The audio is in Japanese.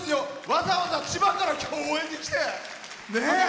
わざわざ千葉からきょう応援に来て。